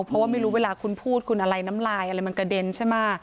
เพราะว่าไม่รู้เวลาคุณพูดคุณอะไรน้ำลายอะไรมันกระเด็นใช่ไหม